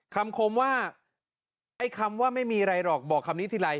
คมว่าไอ้คำว่าไม่มีอะไรหรอกบอกคำนี้ทีไร